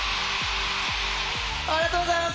ありがとうございます。